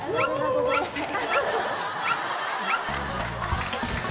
ごめんなさい。